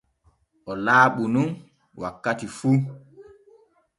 O laaɓu nun wakkati fu.